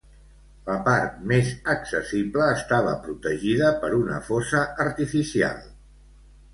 La part més accessible estava protegida per una fossa artificial.